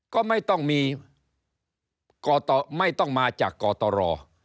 ก็ไม่ต้องมาจากกรตร